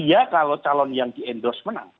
iya kalau calon yang di endorse menang